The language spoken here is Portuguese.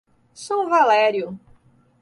São Valério